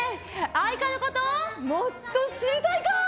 愛花のこともっと知りたいかー？